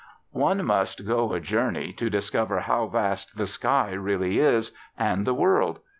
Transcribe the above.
One must go a journey to discover how vast the sky really is, and the world.